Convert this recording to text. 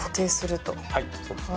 はいそうですね。